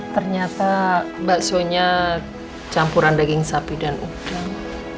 ternyata bakso nya campuran daging sapi dan udang